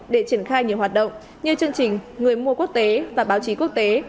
để triển khai nhiều hoạt động như chương trình người mua quốc tế và báo chí quốc tế